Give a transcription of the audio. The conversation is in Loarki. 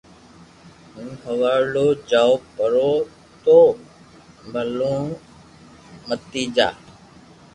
ھون ھوارو جاو پرو تو ڀلي متيجا